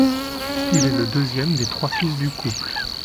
Il est le deuxième des trois fils du couple.